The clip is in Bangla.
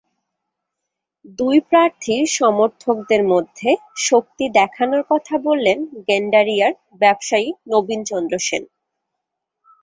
দুই প্রার্থীর সমর্থকদের মধ্যে শক্তি দেখানোর কথা বললেন গেন্ডারিয়ার ব্যবসায়ী নবীন চন্দ্র সেন।